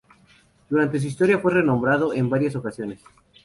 Durante su historia fue renombrado en varias ocasiones.